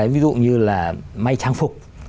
ví dụ như là may trang phục